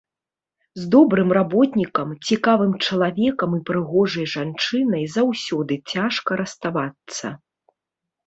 З добрым работнікам, цікавым чалавекам і прыгожай жанчынай заўсёды цяжка расставацца.